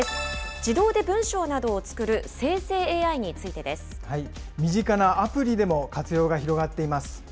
自動で文章などを作る生成ＡＩに身近なアプリでも活用が広が